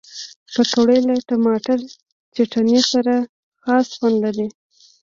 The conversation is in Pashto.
پکورې له ټماټر چټني سره خاص خوند لري